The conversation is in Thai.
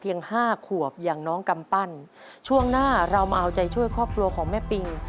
ห้าขวบอย่างน้องกำปั้นช่วงหน้าเรามาเอาใจช่วยครอบครัวของแม่ปิง